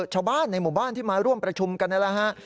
ชาวบ้านในหมู่บ้านที่มาร่วมประชุมกันนี่แหละฮะ